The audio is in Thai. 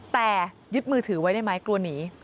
แต่ยึดมือถือไว้ได้ไหมกลัวหนี